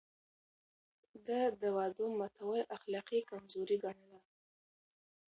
ده د وعدو ماتول اخلاقي کمزوري ګڼله.